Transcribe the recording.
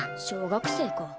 小学生か。